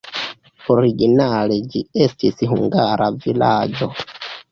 Originale ĝi estis hungara vilaĝo.